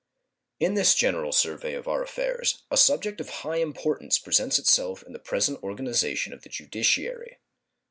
In this general survey of our affairs a subject of high importance presents itself in the present organization of the judiciary.